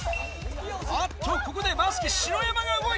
あっとここでバスケ篠山が動いた！